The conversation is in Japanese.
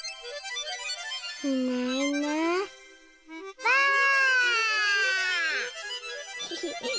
いないいないばあっ！